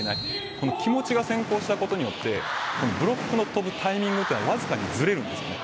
この気持ちが先行したことによってブロックの跳ぶタイミングがわずかにずれるんです。